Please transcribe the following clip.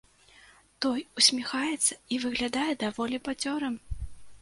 Той усміхаецца і выглядае даволі бадзёрым.